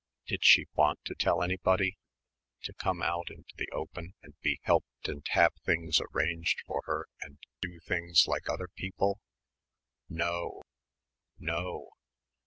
Did she want to tell anybody? To come out into the open and be helped and have things arranged for her and do things like other people? No.... No....